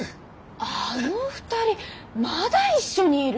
あの二人まだ一緒にいる。